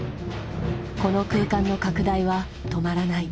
この空間の拡大は止まらない。